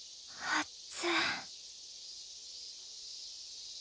あっつ。